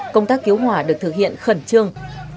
công tác cứu hỏa được thực hiện khẩn trương